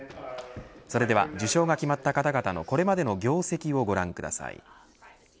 それでは、受賞が決まった方々のこれまでの業績をご覧ください。